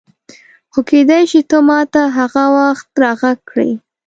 خو کېدای شي ته ما ته هغه وخت راغږ کړې.